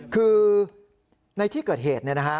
คือในที่เกิดเหตุ